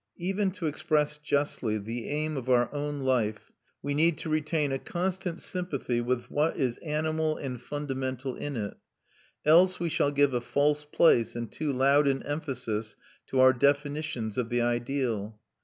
Even to express justly the aim of our own life we need to retain a constant sympathy with what is animal and fundamental in it, else we shall give a false place, and too loud an emphasis, to our definitions of the ideal.